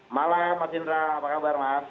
malam mas indra apa kabar mas